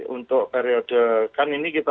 untuk periode kan ini kita